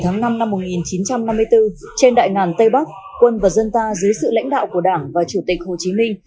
ngày tháng năm năm một nghìn chín trăm năm mươi bốn trên đại ngàn tây bắc quân và dân ta dưới sự lãnh đạo của đảng và chủ tịch hồ chí minh